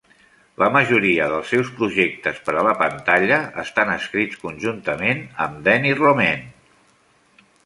La majoria dels seus projectes per a la pantalla estan escrits conjuntament amb Dani Romain.